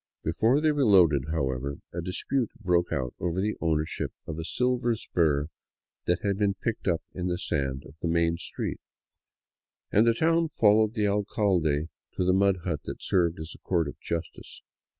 Before they were loaded, however, a dispute broke out over the ownership of a " silver " spur that had been picked up in the sand of the main street, and the town followed the alcalde to the mud hut that served as court of justice.